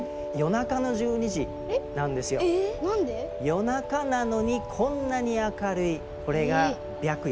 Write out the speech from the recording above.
夜中なのにこんなに明るいこれが白夜。